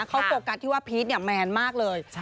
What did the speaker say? เขาโฟกัสที่ว่าพีทแมนมากเลย